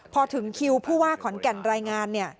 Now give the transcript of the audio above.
พอถึงคิวผู้ว่าขอนแก่นรายงานเนี่ย